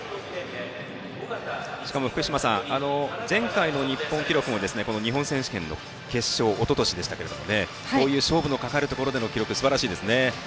しかも、福島さん前回の日本記録も日本選手権の決勝おととしでしたけど勝負のかかるところでの記録すばらしいですね。